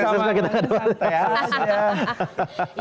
suksesnya kita enggak debat